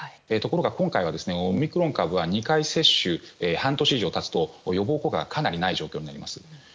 ところが今回はオミクロン株が２回接種半年以上経つと予防効果がかなり、ない状況になります。